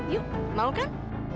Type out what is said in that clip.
yuk mau kan